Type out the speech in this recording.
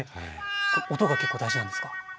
音が結構大事なんですか？